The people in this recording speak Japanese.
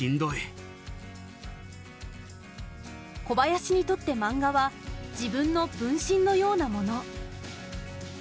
小林にとってマンガは自分の分身のようなもの。